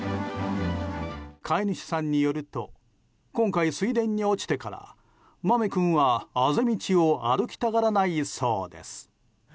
飼い主さんによると今回、水田に落ちてから豆君は、あぜ道を歩きたがらないそうです。